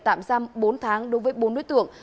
tạm giam bốn tháng đối với bốn đối tượng